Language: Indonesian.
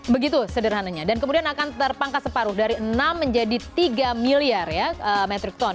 begitu sederhananya dan kemudian akan terpangkas separuh dari enam menjadi tiga miliar ya metric ton